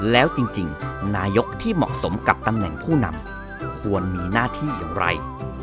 แล้วจริงนายกที่เหมาะสมกับตำแหน่งผู้นำควรมีหน้าที่อย่างไร